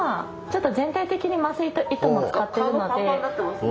ちょっと全体的に麻酔と糸も使っているので。